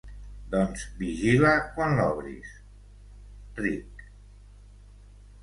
Doncs vigila quan l'obris —ric—.